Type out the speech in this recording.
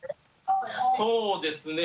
そうですね。